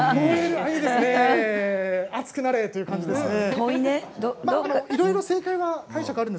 あつくなれ、という感じですね。